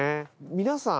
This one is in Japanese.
皆さん。